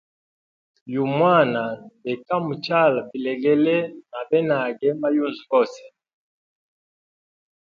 Yugu mwana ndeka muchala bilegele na benage ma yunzu gose.